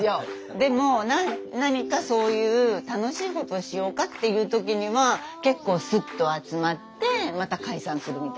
でも何かそういう楽しいことしようかっていう時には結構スッと集まってまた解散するみたいな。